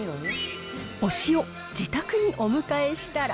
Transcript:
推しを自宅にお迎えしたら。